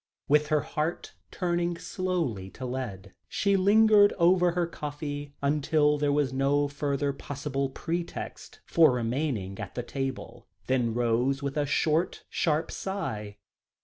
With her heart turning slowly to lead she lingered over her coffee until there was no further possible pretext for remaining at the table, then rose with a short, sharp sigh.